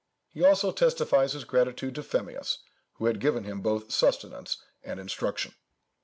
He also testifies his gratitude to Phemius, who had given him both sustenance and instruction."